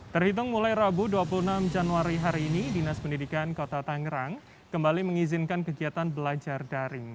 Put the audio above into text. terhitung mulai rabu dua puluh enam januari hari ini dinas pendidikan kota tangerang kembali mengizinkan kegiatan belajar daring